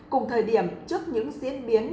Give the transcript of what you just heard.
cùng thời điểm trước những diễn biến